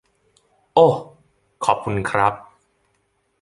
โอ๊ะ ขอบคุณครับ